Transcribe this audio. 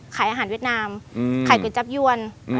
ขายอาหารเวียดนามขายก๋วยจับยวน